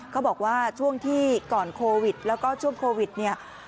เขาบอกว่าช่วงที่ก่อนโควิดแล้วก็ช่วงโควิดเนี่ย